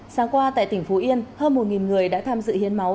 sáng qua tại tỉnh phú yên hơn một người đã tham dự hiến máu